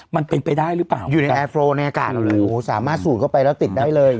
มันเป็นไปได้หรือเปล่าอยู่ในแอร์โฟลในอากาศเราเลยโอ้โหสามารถสูดเข้าไปแล้วติดได้เลย